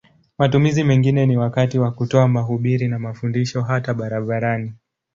Matumizi mengine ni wakati wa kutoa mahubiri na mafundisho hata barabarani.